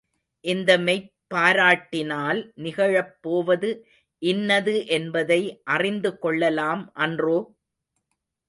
இந்த மெய்ப்பாராட்டினால் நிகழப் போவது இன்னது என்பதை அறிந்து கொள்ளலாம் அன்றோ?